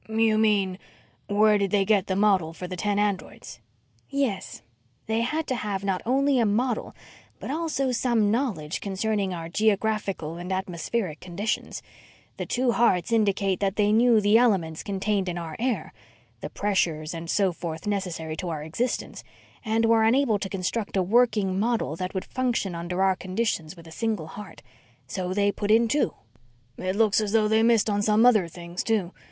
"You mean, where did they get the model for the ten androids?" "Yes. They had to have not only a model, but also some knowledge concerning our geographical and atmospheric conditions. The two hearts indicate that they knew the elements contained in our air the pressures and so forth necessary to our existence and were unable to construct a working model that would function under our conditions with a single heart. So they put in two." "It looks as though they missed on some other things, too.